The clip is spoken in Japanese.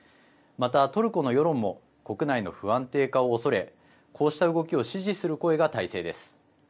また、トルコの世論も国内の不安定化をおそれこうした動きを支持する声が大勢です。